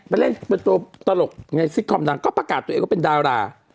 ไปเล่นเป็นตัวตลกในซิกคอมดังก็ประกาศตัวเองว่าเป็นดารา